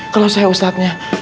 kalau saya ustadznya